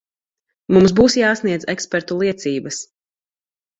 Mums būs jāsniedz ekspertu liecības.